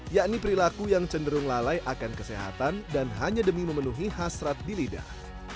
yakni perilaku yang cenderung lalai akan kesehatan dan hanya demi memenuhi hasrat di lidah